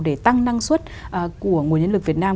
để tăng năng suất của nguồn nhân lực việt nam